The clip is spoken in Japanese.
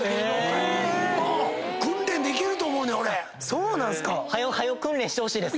そうなんすか